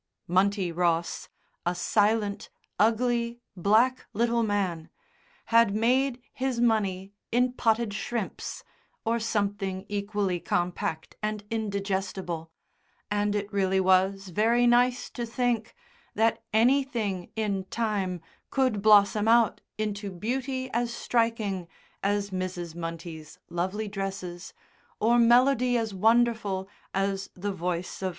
Munty Ross a silent, ugly, black little man had had made his money in potted shrimps, or something equally compact and indigestible, and it really was very nice to think that anything in time could blossom out into beauty as striking as Mrs. Munty's lovely dresses, or melody as wonderful as the voice of M.